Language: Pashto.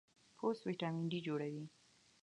پوست وټامین ډي جوړوي.